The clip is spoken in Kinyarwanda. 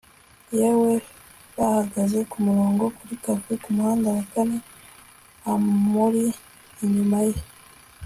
yewe bahagaze kumurongo kuri café kumuhanda wa kane amuri inyuma ye